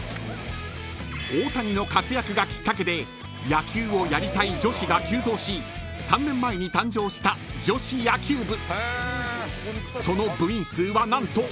［大谷の活躍がきっかけで野球をやりたい女子が急増し３年前に誕生した女子野球部］